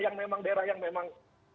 yang memang daerah yang memang